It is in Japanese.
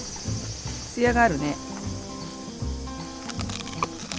つやがあるね。